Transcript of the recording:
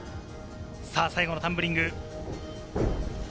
最後のタンブリング。